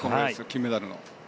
金メダルの。